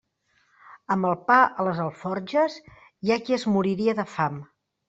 Amb el pa a les alforges, hi ha qui es moriria de fam.